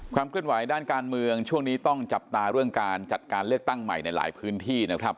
เคลื่อนไหวด้านการเมืองช่วงนี้ต้องจับตาเรื่องการจัดการเลือกตั้งใหม่ในหลายพื้นที่นะครับ